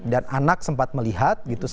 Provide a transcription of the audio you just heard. dan anak sempat melihat